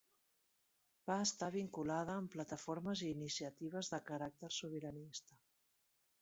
Va estar vinculada amb plataformes i iniciatives de caràcter sobiranista.